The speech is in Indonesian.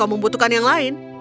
aku membutuhkan yang lain